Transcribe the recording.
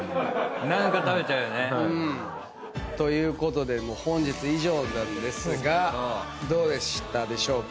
何か食べちゃうよね。ということで本日以上なんですがどうでしたでしょうか？